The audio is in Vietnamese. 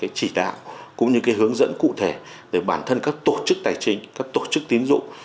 cái chỉ đạo cũng như cái hướng dẫn cụ thể để bản thân các tổ chức tài chính các tổ chức tín dụng